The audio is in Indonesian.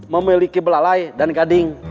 memiliki belalai dan gading